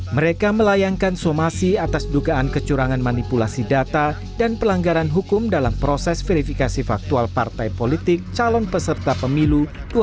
mereka melayangkan somasi atas dugaan kecurangan manipulasi data dan pelanggaran hukum dalam proses verifikasi faktual partai politik calon peserta pemilu dua ribu sembilan belas